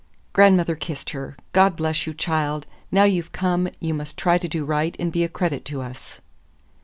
Grandmother kissed her. "God bless you, child! Now you've come, you must try to do right and be a credit to us."